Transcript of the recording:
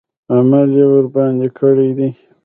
عمل یې ورباندې کړی دی.